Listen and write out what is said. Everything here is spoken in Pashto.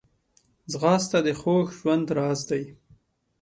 ځغاسته د خوږ ژوند راز دی